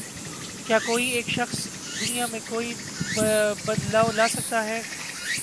کیا کوئی ایک شخص دنیا میں کوئی بدلاؤ لا سکتا ہے؟